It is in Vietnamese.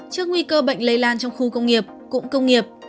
trước nguy cơ bệnh lây lan trong khu công nghiệp cụm công nghiệp